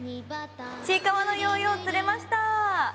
ちいかわのヨーヨー釣れました！